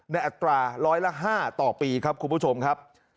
ในอัตรา๑๐๕ต่อปีครับคุณผู้ชมครับ